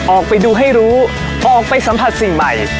ออกไปดูให้รู้ออกไปสัมผัสสิ่งใหม่